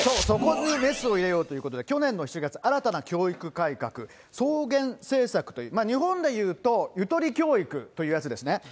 そこにメスを入れようということで、去年の７月、新たな教育改革、双減政策という、日本でいうとゆとり教育というやつですね。